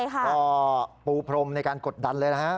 ก็ปูพรมในการกดดันเลยนะฮะ